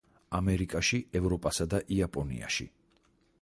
ამერიკაში, ევროპასა და იაპონიაში.